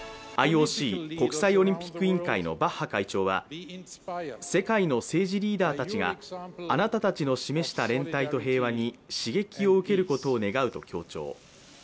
ＩＯＣ＝国際オリンピック委員会のバッハ会長は世界の政治リーダーたちがあなたたちの示した連帯と平和に刺激を受けることを願うと強調。